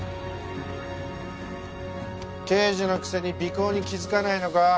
刑事のくせに尾行に気づかないのか？